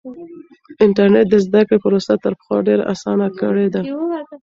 انټرنیټ د زده کړې پروسه تر پخوا ډېره اسانه کړې ده.